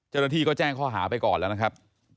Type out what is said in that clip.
เจรฐีก็แจ้งข้อหาไปก่อนแล้วนะครับ